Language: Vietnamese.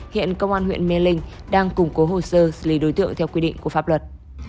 hiện công an huyện mê linh đang củng cố hồ sơ xử lý đối tượng theo quy định của pháp luật